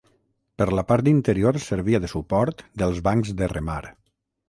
Per la part interior servia de suport dels bancs de remar.